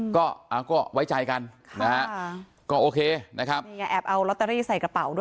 ก็ไว้จ่ายกันก็โอเคนะครับอย่าเอาล็อตเตอรี่ใส่กระเป๋าด้วย